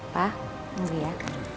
pak nanti ya